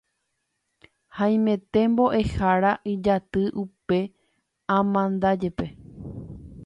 Haimete mboʼehára ijaty upe amandajépe.